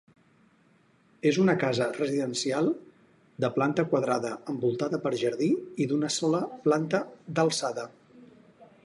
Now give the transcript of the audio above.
És una casa residencial de planta quadrada, envoltada per jardí i d'una sola planta d'alçada.